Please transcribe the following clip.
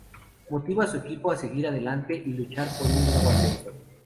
Motiva a su equipo a seguir adelante y luchar por un nuevo ascenso.